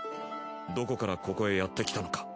どこからここへやってきたのか。